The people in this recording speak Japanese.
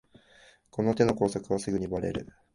この手の工作はすぐにバレる